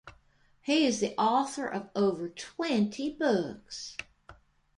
He is the author of over twenty books.